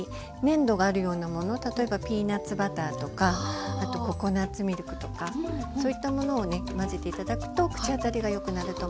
例えばピーナツバターとかあとココナツミルクとかそういったものをね混ぜて頂くと口当たりがよくなると思います。